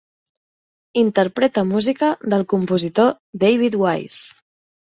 Interpreta música del compositor David Wise.